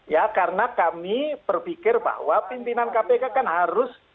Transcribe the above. ya karena kami berpikir bahwa pimpinan kpk kan harus